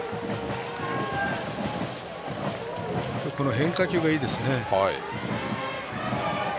変化球がいいですね。